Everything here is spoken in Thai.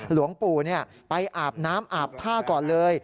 หลวงปู่ไปอาบน้ำอาบท่าก่อนเลย